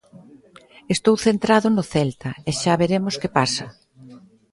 Estou centrado no Celta, e xa veremos que pasa.